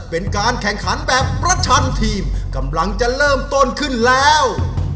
เป็นการแข่งขันแบบประชันทีมกำลังจะเริ่มต้นขึ้นแล้ว